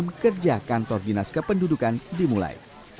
baru berakhir begitu jam kerja kantor dinas kependudukan dimulai